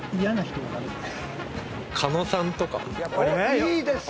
いいですよ。